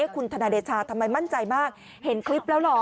คุณธนาเดชาทำไมมั่นใจมากเห็นคลิปแล้วเหรอ